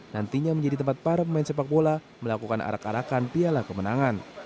nantinya menjadi tempat para pemain sepak bola melakukan arak arakan piala kemenangan